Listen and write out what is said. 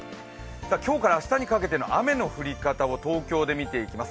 今日から明日にかけての雨の降り方を東京でみていきます。